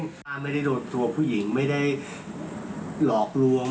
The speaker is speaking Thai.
ถ้าไม่ได้โดนตัวผู้หญิงไม่ได้หลอกลวง